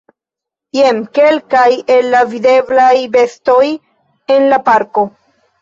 Jen kelkaj el la videblaj bestoj en la parko.